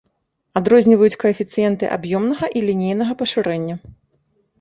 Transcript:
Адрозніваюць каэфіцыенты аб'ёмнага і лінейнага пашырэння.